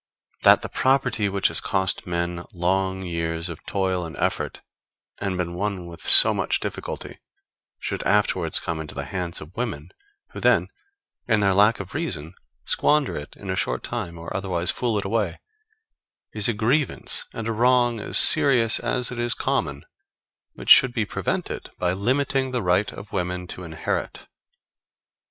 That the property which has cost men long years of toil and effort, and been won with so much difficulty, should afterwards come into the hands of women, who then, in their lack of reason, squander it in a short time, or otherwise fool it away, is a grievance and a wrong as serious as it is common, which should be prevented by limiting the right of women to inherit.